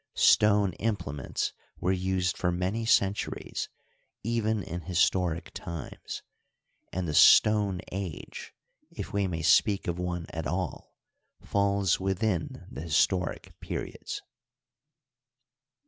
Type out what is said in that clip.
Stone implements were used for many centuries even in historic times, and the " Stone age "— ^if we may speak of one at all — falls within the his toric periods.